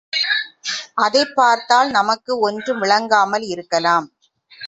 அதைப் பார்த்தால் நமக்கு ஒன்றும் விளங்காமல் இருக்கலாம்.